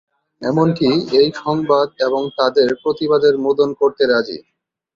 এমনকি এই সংবাদ এবং তাদের প্রতিবাদের মুদ্রণ করতে রাজি।